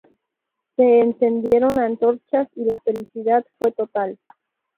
Se encendieron antorchas y la felicidad fue total.